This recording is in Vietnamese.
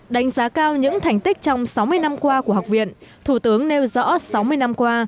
đánh giá cao những thành tích trong sáu mươi năm qua của học viện thủ tướng nêu rõ sáu mươi năm qua